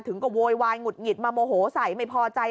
ก็โวยวายหงุดหงิดมาโมโหใส่ไม่พอใจ